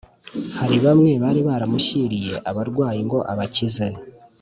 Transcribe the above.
hari bamwe bari baramushyiriye abarwayi ngo abakize